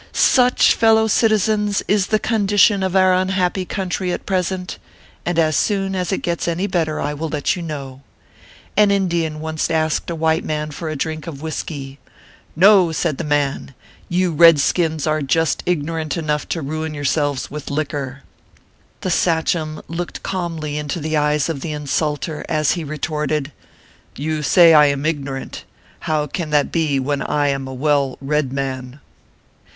Such, fellow citizens, is the condition of our un happy country at present, and as soon as it gets any better I will let you know. An Indian once asked a white man for a drink of whisky. " No !" said the man, " you red skins are just ignorant enough to ruin 104 OKPHEUS C. KERR PAPERS. yourselves with liquor." The sachein looked calmly into the eyes of the insulter, as he retorted :" You say I am ignorant. How can that be when I am a well red man